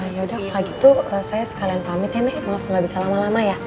yaudah kalau gitu saya sekalian pamit ya nek maaf gak bisa lama lama ya